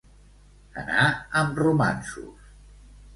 Anar amb romanços.